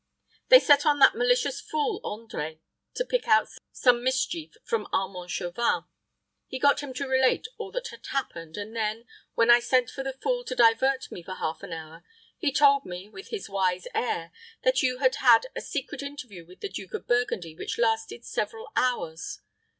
They set on that malicious fool, André, to pick out some mischief from Armand Chauvin. He got him to relate all that had happened, and then, when I sent for the fool to divert me for half an hour, he told me, with his wise air, that you had had a secret interview with the Duke of Burgundy, which lasted several hours.